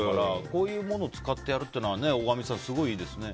こういうものを使ってやるっていうのは大神さん、すごいですね。